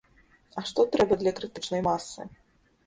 А што трэба для крытычнай масы?